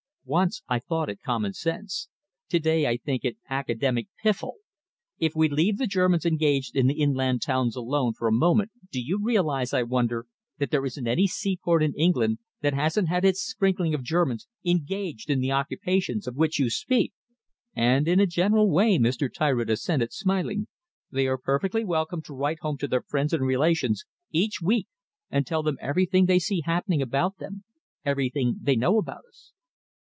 Once I thought it common sense. To day I think it academic piffle. If we leave the Germans engaged in the inland towns alone for a moment, do you realise, I wonder, that there isn't any seaport in England that hasn't its sprinkling of Germans engaged in the occupations of which you speak?" "And in a general way," Mr. Tyritt assented, smiling, "they are perfectly welcome to write home to their friends and relations each week and tell them everything they see happening about them, everything they know about us."